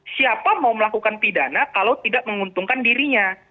siapa mau melakukan pidana kalau tidak menguntungkan dirinya